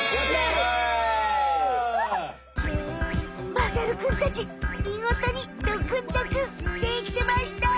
まさるくんたちみごとにドクンドクンできてました！